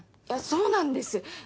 いやそうなんです！